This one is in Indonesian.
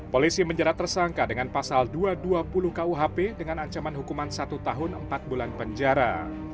polisi menjerat tersangka dengan pasal dua ratus dua puluh kuhp dengan ancaman hukuman satu tahun empat bulan penjara